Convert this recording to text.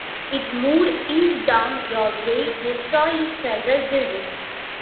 It moved east down Broadway, destroying several buildings.